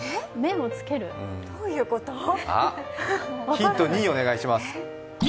ヒント２、お願いします。